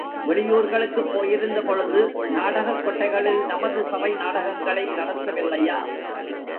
வெளியூர்களுக்குப் போயிருந்த பொழுது, நாடகக் கொட்டகைகளில் நமது சபை நாடகங்களை நடத்தவில்லையா?